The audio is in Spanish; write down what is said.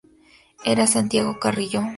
Era Santiago Carrillo.